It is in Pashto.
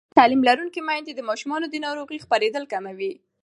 تعلیم لرونکې میندې د ماشومانو د ناروغۍ خپرېدل کموي.